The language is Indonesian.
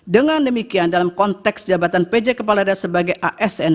dengan demikian dalam konteks jabatan pj kepala daerah sebagai asn